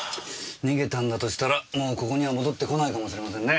逃げたんだとしたらもうここには戻ってこないかもしれませんね。